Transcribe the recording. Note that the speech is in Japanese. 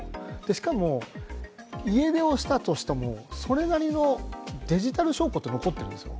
しかも、家出をしたとしてもそれなりのデジタル証拠というのは残っているんですよ。